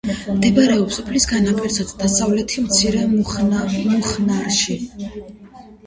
მდებარეობს სოფლის განაპირას, დასავლეთით, მცირე მუხნარში.